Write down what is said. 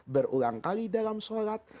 berulang kali dalam sholat